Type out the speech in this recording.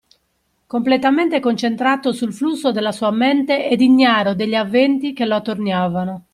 Completamente concentrato sul flusso della sua mente ed ignaro degli aventi che lo attorniavano.